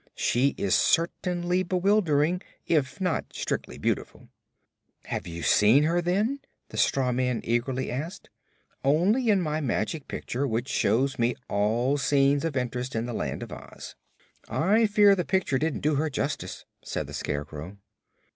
She is certainly bewildering, if not strictly beautiful." "Have you seen her, then?" the straw man eagerly asked. "Only in my Magic Picture, which shows me all scenes of interest in the Land of Oz." "I fear the picture didn't do her justice," said the Scarecrow.